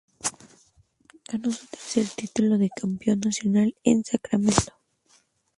Ganó su tercer título de campeón nacional en Sacramento.